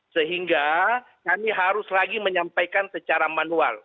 sehingga kami harus lagi menyampaikan secara manual